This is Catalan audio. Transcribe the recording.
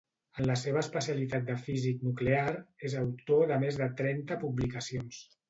En la seva especialitat de físic nuclear, és autor de més de trenta publicacions.